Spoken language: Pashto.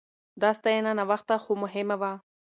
دا ستاينه ناوخته خو مهمه وه.